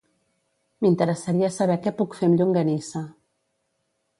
M'interessaria saber què puc fer amb llonganissa.